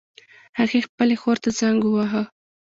هغې خپلې خور ته زنګ وواهه